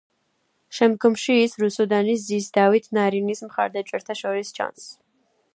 შემდგომში ის რუსუდანის ძის დავით ნარინის მხარდამჭერთა შორის ჩანს.